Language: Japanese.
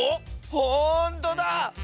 ほんとだ！